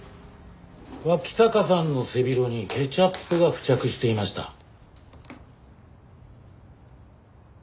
脇坂さんの背広にケチャップが付着していました。